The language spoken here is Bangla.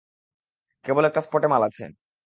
কেবল একটা স্পটে মাল আছে।